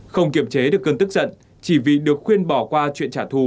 không kiểm chế được cơn tức giận chỉ vì được khuyên bỏ qua chuyện trả thù